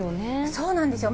そうなんですよ。